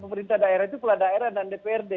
pemerintah daerah itu kepala daerah dan dprd